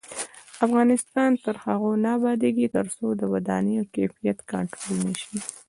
افغانستان تر هغو نه ابادیږي، ترڅو د ودانیو کیفیت کنټرول نشي.